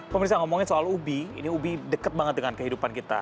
pemirsa ngomongin soal ubi ini ubi deket banget dengan kehidupan kita